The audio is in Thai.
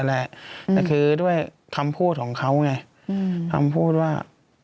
แต่คืด้วยคำพูดของเขาไง